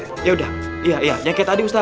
ya udah ya ya yang kayak tadi ustaz